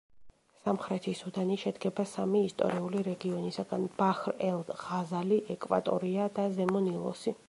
სამხრეთი სუდანი შედგება სამი ისტორიული რეგიონისაგან: ბაჰრ-ელ-ღაზალი, ეკვატორია და ზემო ნილოსი.